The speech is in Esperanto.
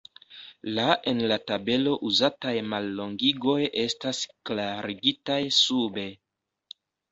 La en la tabelo uzataj mallongigoj estas klarigitaj sube.